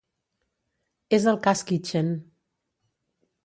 És el ‘cas Kitchen’.